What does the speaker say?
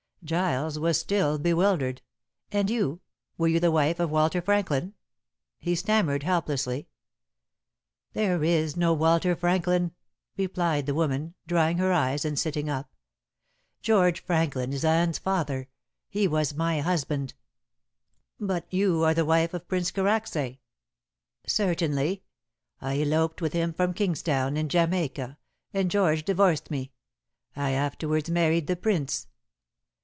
Giles was still bewildered. "And you were you the wife of Walter Franklin?" he stammered helplessly. "There is no Walter Franklin," replied the woman, drying her eyes and sitting up. "George Franklin is Anne's father. He was my husband." "But you are the wife of Prince Karacsay." "Certainly. I eloped with him from Kingstown in Jamaica, and George divorced me. I afterwards married the Prince."